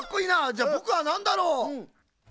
じゃぼくはなんだろう。